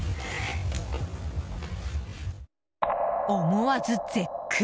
思わず絶句。